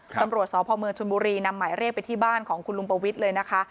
ตำรวจสพเมืองชนบุรีนำหมายเรียกไปที่บ้านของคุณลุงประวิทย์เลยนะคะ